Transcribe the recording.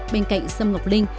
bên cạnh sâm ngọc linh